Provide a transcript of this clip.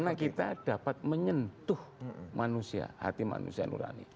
karena kita dapat menyentuh manusia hati manusia yang urani